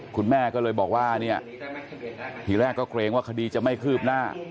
คุณแม่ก็เลยบอกว่าเนี่ยทีแรกก็เกรงว่าคดีจะไม่คืบหน้า